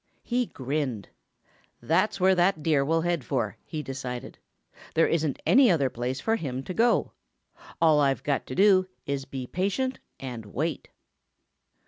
He grinned. "That's where that Deer will head for," he decided. "There isn't any other place for him to go. All I've got to do is be patient and wait."